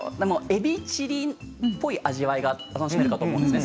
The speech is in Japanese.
えびチリっぽい味わいが楽しめるかと思うんですね